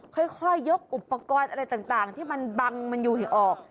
ค่อยยกอุปกรณ์อะไรต่างที่มันบังมันอยู่ออก